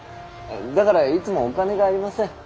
だからいつもお金がありません。